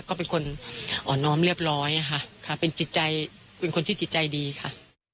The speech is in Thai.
ก็เป็นคนอ่อนออมเรียบร้อยค่ะเป็นคนที่จิตใจดีค่ะ